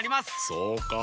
そうか。